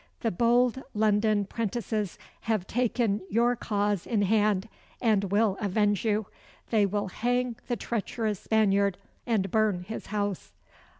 The bold London 'prentices have taken your cause in hand, and will avenge you. They will hang the treacherous Spaniard, and burn his house."